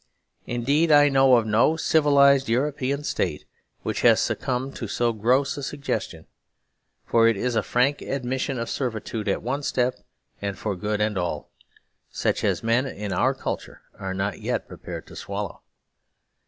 Indeed, I know of no civilised European state which has succumbed to so gross a suggestion. For it is a frank admission of servitudeatonestep.and for good and all.such as men of our culture are not yet prepared to swallow.